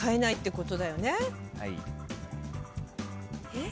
えっ？